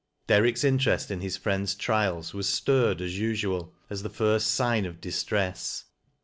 Derrick's interest in his friend's trials was stirred as usual at the first signal of distress.